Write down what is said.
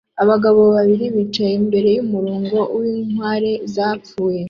Abagabo babiri bicaye imbere yumurongo winkware zapfuye